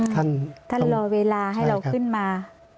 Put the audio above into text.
ท่านท่านรอเวลาให้เราขึ้นมา